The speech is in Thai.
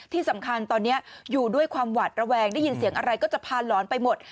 ที่สำคัญตอนนี้อยู่ด้วยความหวัดระแวงได้ยินเสียงอะไรก็จะพาหลอนไปหมด